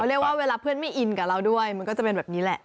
เรียกว่าเวลาเพื่อนไม่อินกับเราด้วยมันก็จะเป็นแบบนี้แหละ